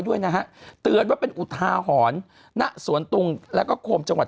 ด้วยนะฮะเตือนว่าเป็นอุทาหรณ์ณสวนตุงแล้วก็โคมจังหวัด